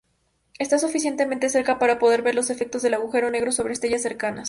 Está suficientemente cerca para poder ver los efectos del agujero negro sobre estrellas cercanas.